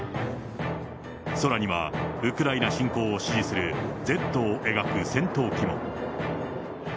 空にはウクライナ侵攻を指示するＺを描く戦闘機も。